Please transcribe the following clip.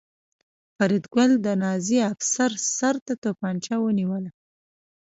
فریدګل د نازي افسر سر ته توپانچه ونیوله